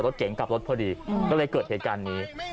รถเก๋งกลับรถพอดีก็เลยเกิดเหตุการณ์นี้